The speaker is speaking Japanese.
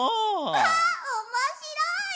あっおもしろい！